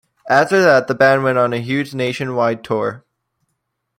After that the band went on a huge nationwide tour.